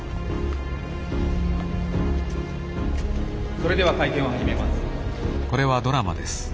「それでは会見を始めます」。